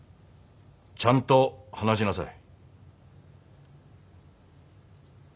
ちゃんと話しなさい。